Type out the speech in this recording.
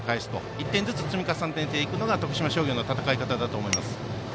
１点ずつ積み重ねるのが徳島商業の戦い方だと思います。